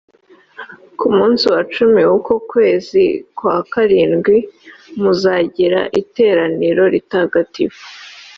ku munsi wa cumi w’uko kwezi kwa karindwi, muzagira iteraniro ritagatifu.